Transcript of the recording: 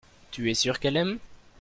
tu es sûr qu'elle aime.